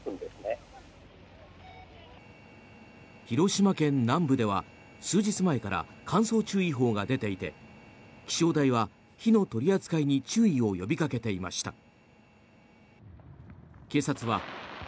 広島県南部では数日前から乾燥注意報が出ていて気象台は火の取り扱いに注意を呼びかけていました。